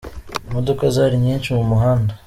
Imodoka zari nyinshi mu muhanda.